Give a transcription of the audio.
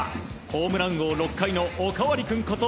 ホームラン追う６回のおかわり君こと